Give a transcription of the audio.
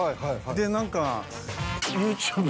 で何か。